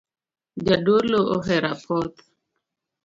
Jadolo ohero apoth